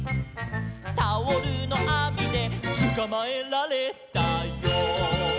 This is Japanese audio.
「タオルのあみでつかまえられたよ」